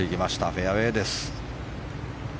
フェアウェーです。